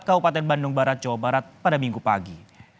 kabupaten bandung barat jawa barat pada minggu pagi